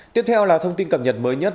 tiếp theo là thông tin cập nhật mới nhất